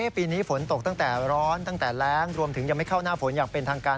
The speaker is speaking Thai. ปีนี้ฝนตกตั้งแต่ร้อนตั้งแต่แรงรวมถึงยังไม่เข้าหน้าฝนอย่างเป็นทางการ